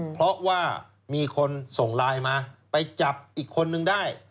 เพราะว่ามีคนส่งไลน์มาไปจับอีกคนนึงได้